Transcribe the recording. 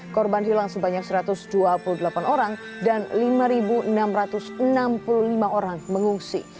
korban hilang sebanyak satu ratus dua puluh delapan orang dan lima enam ratus enam puluh lima orang mengungsi